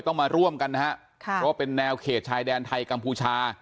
ต้องมาร่วมกันนะฮะค่ะเพราะว่าเป็นแนวเขตชายแดนไทยกัมพูชา